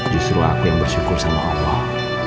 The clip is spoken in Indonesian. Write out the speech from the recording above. justru aku yang bersyukur sama allah